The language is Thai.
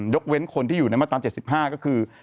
ยกเว้นคนที่อยู่ในมาตรา๗๕ก็คือ